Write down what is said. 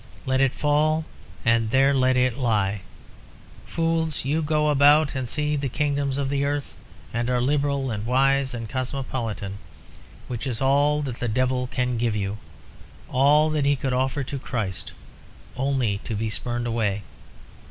Let it fall, and there let it lie. Fools, you go about and see the kingdoms of the earth, and are liberal and wise and cosmopolitan, which is all that the devil can give you all that he could offer to Christ, only to be spurned away.